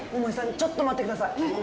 ちょっと待ってください桃井さん